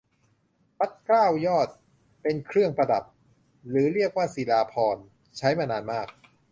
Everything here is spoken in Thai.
รัดเกล้ายอด เป็นเครื่องประดับ หรือเรียกว่าศิราภรณ์ ใช้มานานมาก